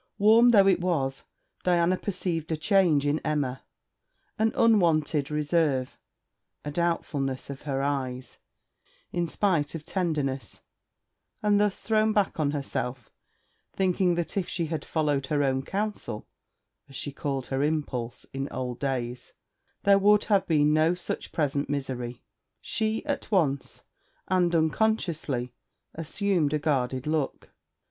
Warm though it was, Diana perceived a change in Emma, an unwonted reserve, a doubtfulness of her eyes, in spite of tenderness; and thus thrown back on herself, thinking that if she had followed her own counsel (as she called her impulse) in old days, there would have been no such present misery, she at once, and unconsciously, assumed a guarded look.